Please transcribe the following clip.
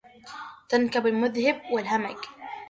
تنكب مذهب الهمج